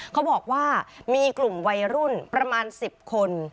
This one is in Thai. เขาบอกว่ามีกลุ่มวัยรุ่นประมาณ๑๐คน